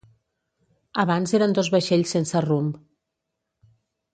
Abans eren dos vaixells sense rumb.